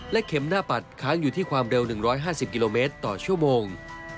เข็มหน้าปัดค้างอยู่ที่ความเร็ว๑๕๐กิโลเมตรต่อชั่วโมง